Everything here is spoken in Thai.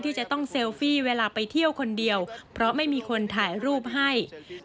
จะต้องเซลฟี่เวลาไปเที่ยวคนเดียวเพราะไม่มีคนถ่ายรูปให้